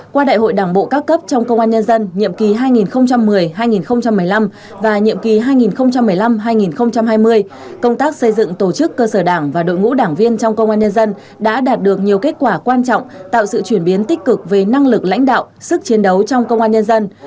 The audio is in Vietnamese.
qua đại hội đảng bộ các cấp trong công an nhân dân nhiệm kỳ hai nghìn một mươi hai nghìn một mươi năm và nhiệm kỳ hai nghìn một mươi năm hai nghìn hai mươi công tác xây dựng tổ chức cơ sở đảng và đội ngũ đảng viên trong công an nhân dân đã đạt được nhiều kết quả quan trọng tạo sự chuyển biến tích cực về năng lực lãnh đạo sức chiến đấu trong công an nhân dân